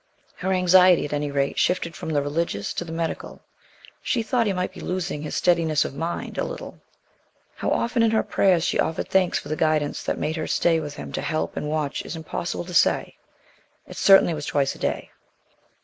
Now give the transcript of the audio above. Her anxiety, at any rate, shifted from the religious to the medical. She thought he might be losing his steadiness of mind a little. How often in her prayers she offered thanks for the guidance that had made her stay with him to help and watch is impossible to say. It certainly was twice a day.